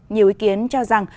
nhiều ý kiến cho rằng